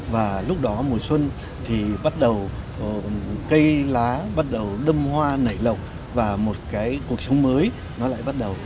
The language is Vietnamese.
và lúc đó mùa xuân thì bắt đầu cây lá bắt đầu đâm hoa nảy lọc và một cái cuộc sống mới nó lại bắt đầu